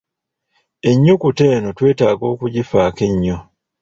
Ennyukuta eno twetaaga okugifaako ennyo.